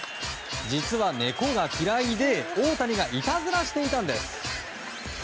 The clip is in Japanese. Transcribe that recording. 実は猫が嫌いで大谷がいたずらしていたんです。